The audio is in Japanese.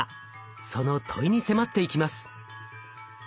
その問いに迫っていきます。